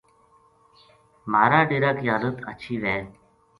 مھارا ڈیرا کی حالت ہچھی وھے